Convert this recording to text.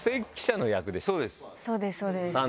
そうですそうです。